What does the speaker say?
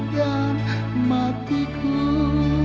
dia ketawa berbicara